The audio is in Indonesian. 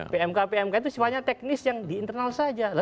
pmk pmk itu sifatnya teknis yang di internal saja